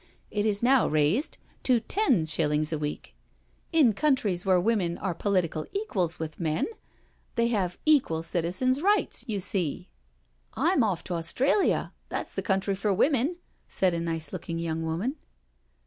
It is now raised to ten shillings a week. In countries where women are political equals with men they have equal citizen rights, you seel" " Tm off t* Australia— that's the country for women," said a nice looking young woman.